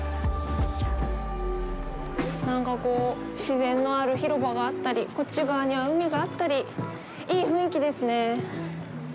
なんかこう、自然のある広場があったりこっち側には海があったりいい雰囲気ですね。